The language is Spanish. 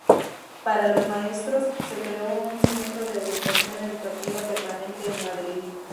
Para los maestros, se creó un centro de orientación educativa permanente en Madrid.